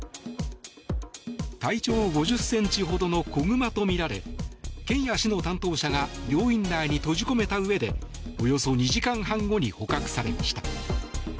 体長５０ｃｍほどの子熊とみられ県や市の担当者が病院内に閉じ込めたうえでおよそ２時間半後に捕獲されました。